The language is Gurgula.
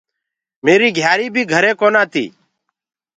ميريٚ گھِياريٚ بيٚ گھري ڪونآ تيٚ